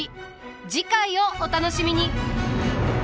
次回をお楽しみに。